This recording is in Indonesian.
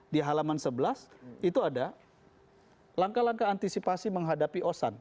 di halaman sebelas itu ada langkah langkah antisipasi menghadapi osan